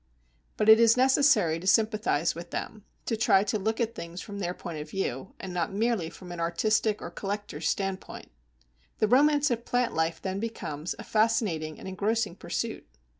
But it is necessary to sympathize with them, to try to look at things from their point of view, and not merely from an artistic or collector's standpoint. The romance of plant life then becomes a fascinating and engrossing pursuit.